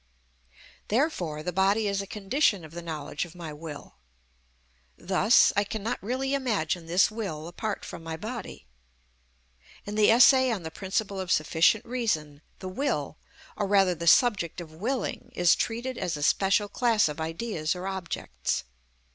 Therefore the body is a condition of the knowledge of my will. Thus, I cannot really imagine this will apart from my body. In the essay on the principle of sufficient reason, the will, or rather the subject of willing, is treated as a special class of ideas or objects.